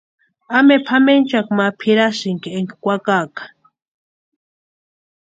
¿Ampe pʼamenchakwa ma pʼirasïnki énka kwakaaka?